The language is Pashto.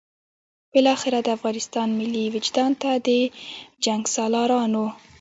بالاخره د افغانستان ملي وجدان ته د جنګسالارانو.